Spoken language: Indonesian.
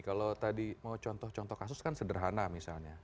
kalau tadi mau contoh contoh kasus kan sederhana misalnya